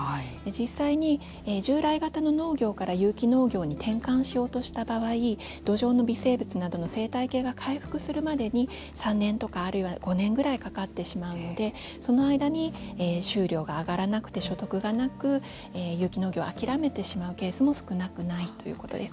実際に従来型の農業から有機農業に転換しようとした場合土壌の微生物などの生態系が回復するまでに３年とか、あるいは５年ぐらいかかってしまうのでその間に収量が上がらなくて所得がなく有機農業を諦めてしまうケースも少なくないということです。